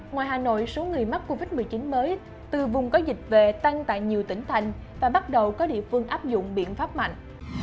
ngoài hà nội số người mắc covid một mươi chín mới từ vùng có dịch về tăng tại nhiều tỉnh thành và bắt đầu có địa phương áp dụng biện pháp mạnh